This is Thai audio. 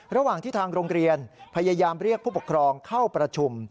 ระหว่างที่ทางโรงเรียนพยายามเรียกผู้ปกครองเข้าประชุม